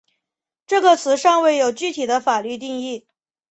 这个词尚未有具体的法律定义。